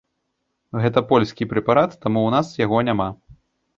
Гэта польскі прэпарат, таму ў нас яго няма.